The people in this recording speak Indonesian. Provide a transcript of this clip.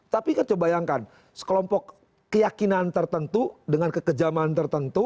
tapi kan coba bayangkan sekelompok keyakinan tertentu dengan kekejaman tertentu